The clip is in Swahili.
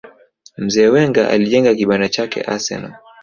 mzee Wenger alijenga kibanda chake arsenal